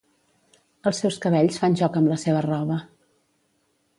Els seus cabells fan joc amb la seva roba.